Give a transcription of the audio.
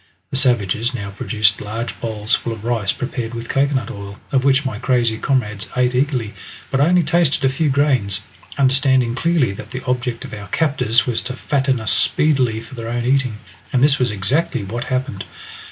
The savages now produced large bowls full of rice prepared with cocoanut oil, of which my crazy comrades ate eagerly, but I only tasted a few grains, understanding clearly that the object of our captors was to fatten us speedily for their own eating, and this was exactly what happened.